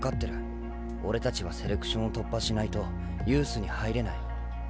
俺たちはセレクションを突破しないとユースに入れない。